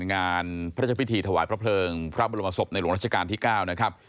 งานพระราชพิธีถวายพระเพลิงพระบรมศพในหลวงราชการที่๙นะครับ